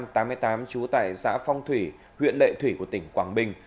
trú tại xã phong thủy huyện lệ thủy của tỉnh quảng bình